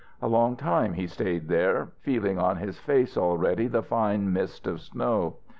A long time he stayed there, feeling on his face already the fine mist of snow.